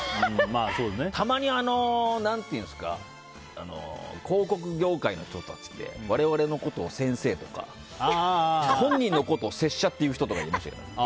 たまに、広告業界の人たちで我々のことを先生とか本人のことを拙者って言う人とかいますよね。